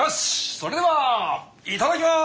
それではいただきます！